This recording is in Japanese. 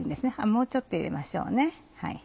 もうちょっと入れましょうね。